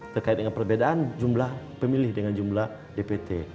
terkait dengan perbedaan jumlah pemilih dengan jumlah dpt